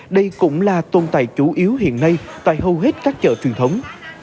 đây cũng là tôn tài chủ yếu hiện nay tại hầu hết các chợ truyền thống